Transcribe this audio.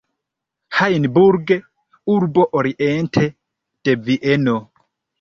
Hajnburg, urbo oriente de Vieno.